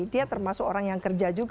dia termasuk orang yang kerja juga